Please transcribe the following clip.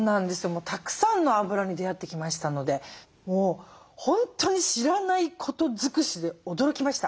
もうたくさんのあぶらに出会ってきましたのでもう本当に知らないこと尽くしで驚きました。